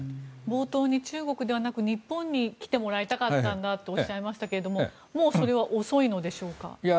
冒頭に中国ではなく日本に来てもらいたかったんだとおっしゃいましたけれどもうそれは遅いんでしょうか？